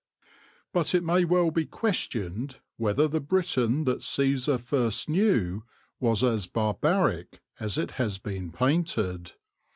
But it may well be questioned whether the Britain that Caesar first knew was as barbaric as it has been painted.